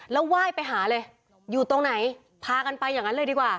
แล้วไหว้ไปหาเลยอยู่ตรงไหนพากันไปอย่างนั้นเลยดีกว่า